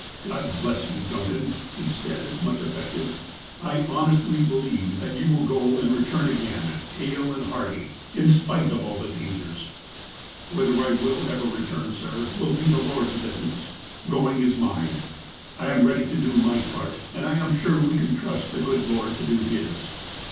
" God bless you ! Duncan," he said, much affected, '' I 36 THE APOSTLE OF ALASKA honestly believe that you will go and return again hale and hearty, in spite of all dangers." "Whether I will ever return, sir, will be the Lord's business. Going is mine. I am ready to do my part, and I am sure we can trust the good Lord to do His."